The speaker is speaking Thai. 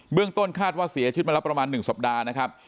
เบื้องต้นคาดว่าเสียชื่นมาละประมาณ๑สัปดาห์นะครับ